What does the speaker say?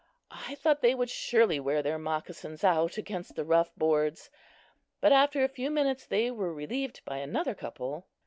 I thought they would surely wear their moccasins out against the rough boards; but after a few minutes they were relieved by another couple.